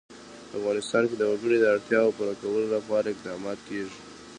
په افغانستان کې د وګړي د اړتیاوو پوره کولو لپاره اقدامات کېږي.